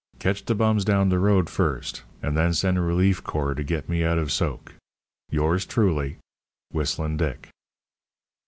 Ketch de bums down de rode first and den sen a relefe core to get me out of soke youres truly, WHISTLEN DICK.